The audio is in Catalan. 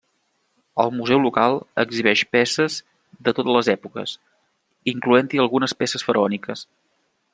El Museu local exhibeix peces de totes les èpoques, incloent-hi algunes peces faraòniques.